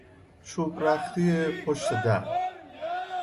چوبرختی پشت در